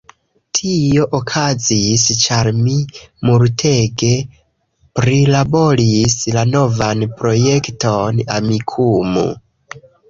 Tio okazis ĉar mi multege prilaboris la novan projekton, "Amikumu"